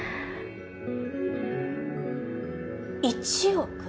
１億？